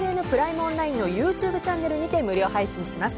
オンラインのＹｏｕＴｕｂｅチャンネルにて無料配信します。